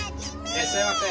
いらっしゃいませ！